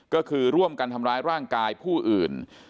ก็คือร่วมกันทำร้ายร่างกายผู้อื่น